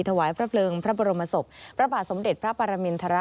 ถวายพระเพลิงพระบรมศพพระบาทสมเด็จพระปรมินทร